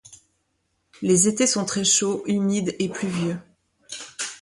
Les étés sont très chauds, humides et pluvieux.